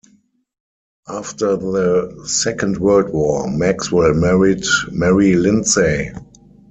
After the Second World War, Maxwell married Mary Lindsay.